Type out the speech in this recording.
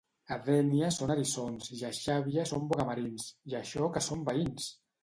A Dénia són eriçons i a Xàbia són bogamarins... I això que som veïns!